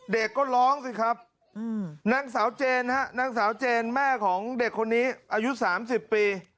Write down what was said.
เด็กก็ร้องสิครับนางสาวเจนแม่ของเด็กคนนี้อายุ๓๐ปี